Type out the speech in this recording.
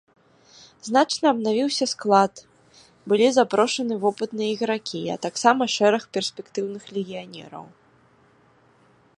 Значна абнавіўся склад, былі запрошаны вопытныя ігракі, а таксама шэраг перспектыўных легіянераў.